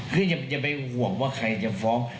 คืออย่าไปห่วงว่าใครจะฟ้อง